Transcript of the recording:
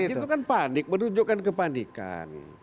iya lah itu kan panik menunjukkan kepanikan